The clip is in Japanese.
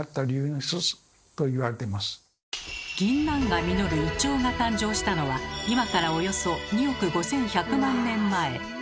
ぎんなんが実るイチョウが誕生したのは今からおよそ２億５，１００万年前。